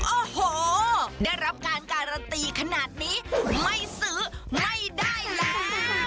โอ้โหได้รับการการันตีขนาดนี้ไม่ซื้อไม่ได้แล้ว